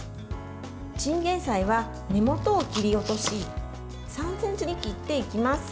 チンゲンサイは根元を切り落とし３ｃｍに切っていきます。